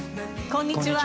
こんにちは。